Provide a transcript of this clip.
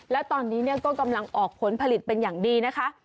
แล้วตอนนี้ก็กำลังออกผลผลิตเป็นอย่างดีนะคะ